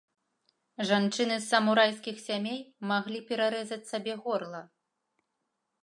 Жанчыны з самурайскіх сямей маглі перарэзаць сабе горла.